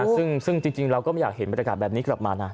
ซึ่งจริงเราก็ไม่อยากเห็นบรรยากาศแบบนี้กลับมานะ